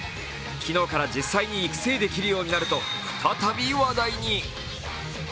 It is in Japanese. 昨日から実際に育成できるようになると再び話題に。